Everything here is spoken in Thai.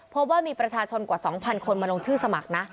พบว่ามีประชาชนกว่า๒๐๐คนมาลงชื่อสมัครนะ